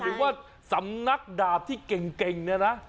หรือว่าสำนักดาบที่เก่งเนี่ยนะ